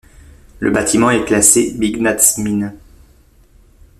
Le bâtiment est classé byggnadsminne.